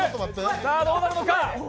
さあ、どうなるのか。